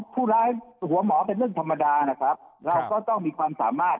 ผู้ร้ายหัวหมอเป็นเรื่องธรรมดานะครับเราก็ต้องมีความสามารถ